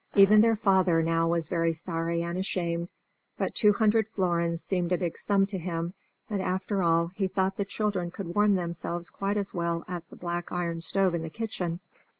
Even their father now was very sorry and ashamed; but two hundred florins seemed a big sum to him, and, after all, he thought the children could warm themselves quite as well at the black iron stove in the kitchen.